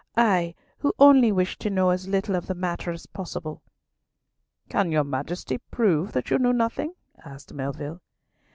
I—who only wished to know as little of the matter as possible!" "Can your Majesty prove that you knew nothing?" asked Melville.